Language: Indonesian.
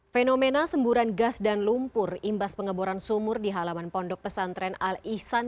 fenomena semburan gas dan lumpur imbas pengeboran sumur di halaman pondok pesantren al ihsan